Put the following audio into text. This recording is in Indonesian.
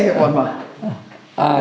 eh oh pak